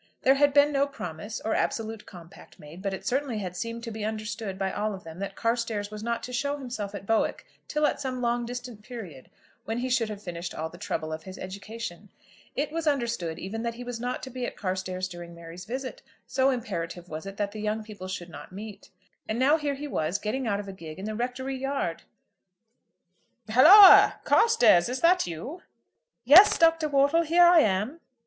There had been no promise, or absolute compact made, but it certainly had seemed to be understood by all of them that Carstairs was not to show himself at Bowick till at some long distant period, when he should have finished all the trouble of his education. It was understood even that he was not to be at Carstairs during Mary's visit, so imperative was it that the young people should not meet. And now here he was getting out of a gig in the Rectory yard! "Halloa! Carstairs, is that you?" "Yes, Dr. Wortle, here I am."